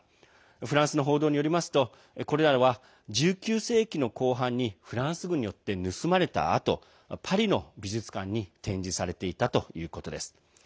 フランスの報道によりますとこれらは、１９世紀の後半にフランス軍によって盗まれたあとパリの美術館に展示されていたということです。